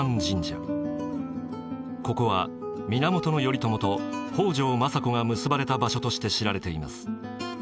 ここは源頼朝と北条政子が結ばれた場所として知られています。